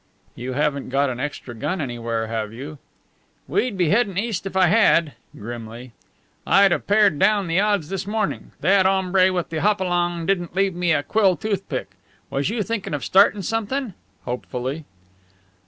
"You haven't got an extra gun anywhere, have you?" "We'd be headin' east if I had" grimly. "I'd have pared down the odds this mornin'. That hombre with the hop a long didn't leave me a quill toothpick. Was you thinkin' of startin' somethin'?" hopefully.